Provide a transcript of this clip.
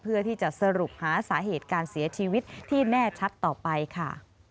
เพื่อที่จะสรุปหาสาเหตุการเสียชีวิตที่แน่ชัดต่อไปค่ะ